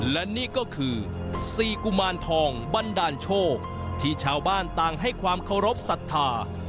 และนี่ก็คือสี่กุมารทองบันดาลโชคที่ชาวบ้านต่างให้ความเคารพสัทธา